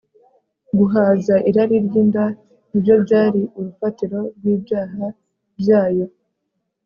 Guhaza irari ryinda ni byo byari urufatiro rwibyaha byayo